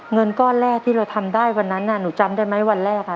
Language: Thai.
เงินก้อนแรกที่เราทำได้วันนั้นน่ะหนูจำได้ไหมวันแรกค่ะ